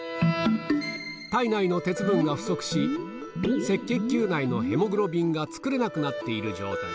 体内の鉄分が不足し、赤血球内のヘモグロビンが作れなくなっている状態。